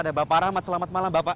ada bapak rahmat selamat malam bapak